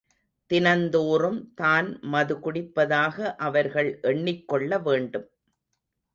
தினந்தோறும் தான் மது குடிப்பதாக அவர்கள் எண்ணிக் கொள்ளவேண்டும்.